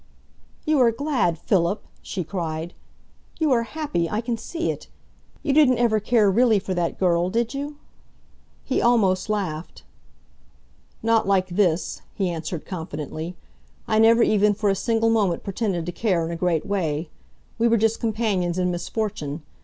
"You are glad, Philip!" she cried. "You are happy I can see it! You didn't ever care really for that girl, did you?" He almost laughed. "Not like this!" he answered confidently. "I never even for a single moment pretended to care in a great way. We were just companions in misfortune.